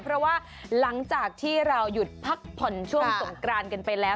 เพราะว่าหลังจากที่เราหยุดพักผ่อนช่วงสงกรานกันไปแล้ว